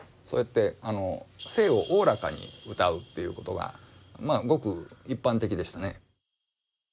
そうやって性をおおらかに歌うっていうことがまあごく一般的でしたね。